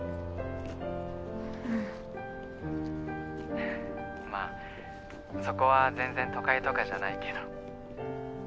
ふふっまあそこは全然都会とかじゃないけど。